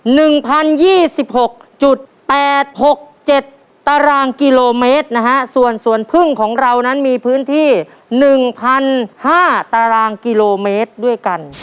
หนึ่งพันยี่สิบหกจุดแปดหกเจ็ดตารางกิโลเมตรนะฮะส่วนสวนพึ่งของเรานั้นมีพื้นที่หนึ่งพันห้าตารางกิโลเมตรด้วยกัน